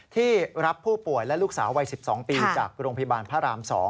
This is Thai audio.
ที่รับผู้ป่วยและลูกสาววัย๑๒ปีจากโรงพยาบาลพระราม๒